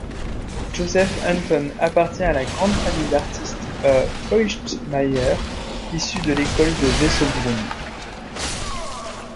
Joseph Anton appartient à la grande famille d'artistes Feuchtmayer, issus de l'École de Wessobrunn.